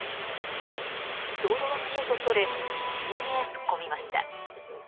道路脇へとそれ茂みへ突っ込みました。